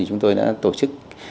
chúng tôi đã tổ chức